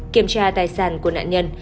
kiểm tra tài sản của nạn nhân